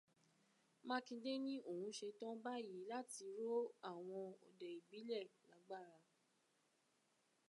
Mákindé ní òun ṣetán báyìí láti ró àwọn ọdẹ ìbílẹ̀ lágbára.